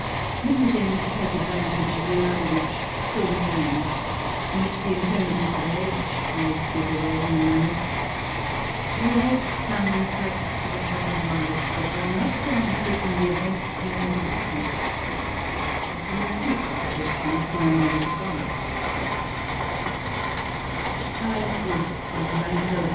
Let me then take advantage of the ardor which still remains, and which the infirmities of age may sweep away at any moment, to relate some facts of a troubled life, but one not so unhappy from the events known to the public, as from the secret afflictions known only to God.